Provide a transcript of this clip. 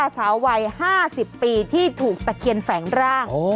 สาววัย๕๐ปีที่ถูกตะเคียนแฝงร่าง